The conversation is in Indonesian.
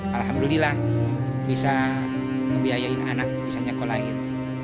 alhamdulillah bisa ngebiayain anak bisa nyekolahin